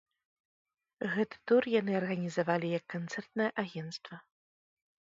Гэты тур яны арганізавалі як канцэртнае агенцтва.